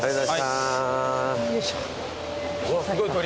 すごい鳥！